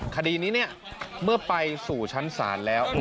คดีนี้เนี่ยเมื่อไปสู่ชั้นศาลแล้ว